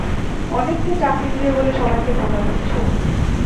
অনেককে চাকরি দিবে বলে সবাইকে ধোঁকা দিচ্ছো।